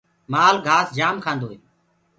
مآل گھآس جآم کآندو هي۔